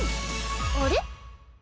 あれ？